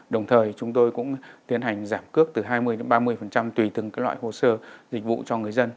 đồng thời chúng tôi cũng tiến hành giảm cước từ hai mươi đến ba mươi tùy từng loại hồ sơ dịch vụ cho người dân